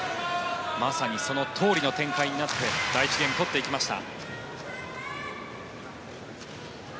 まさにそのとおりの展開になって第１ゲーム取っていきました。